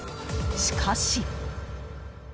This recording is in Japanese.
しかし。